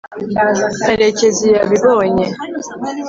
karekezi yabibonye